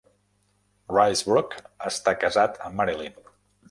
Risebrough està casat amb Marilyn.